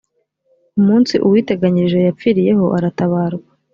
umunsi uwiteganyirije yapfiriyeho aratabarwa